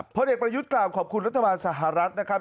ผลเอกประยุจกราบขอบคุณรัฐบาลสหรัฐนะครับ